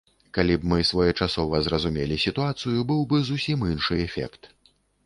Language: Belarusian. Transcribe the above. Калі б мы своечасова зразумелі сітуацыю, быў бы зусім іншы эфект.